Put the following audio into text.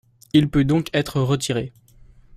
Il peut donc être retiré.